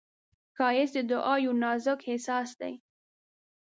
ښایست د دعا یو نازک احساس دی